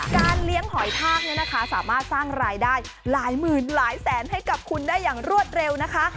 เลี้ยงหอยทากเนี่ยนะคะสามารถสร้างรายได้หลายหมื่นหลายแสนให้กับคุณได้อย่างรวดเร็วนะคะ